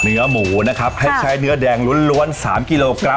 เนื้อหมูนะครับคล้ายเนื้อแดงล้วน๓กิโลกรัม